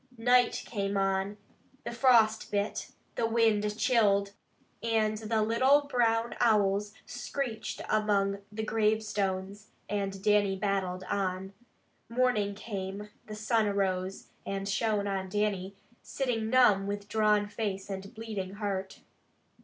Night came on, the frost bit, the wind chilled, and the little brown owls screeched among the gravestones, and Dannie battled on. Morning came, the sun arose, and shone on Dannie, sitting numb with drawn face and bleeding heart.